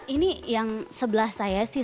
ini yang sebelah saya sih